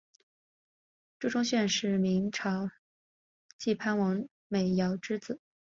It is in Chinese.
朱钟铉是明朝晋藩王朱美圭之子。